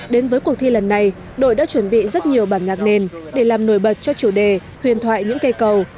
đến với cuộc thi lần này đội đã chuẩn bị rất nhiều bản nhạc nền để làm nổi bật cho chủ đề huyền thoại những cây cầu